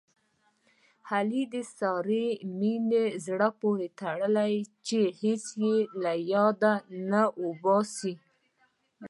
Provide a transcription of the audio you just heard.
علي د سارې مینه زړه پورې تړلې ده. هېڅ یې له یاده نه اوباسي.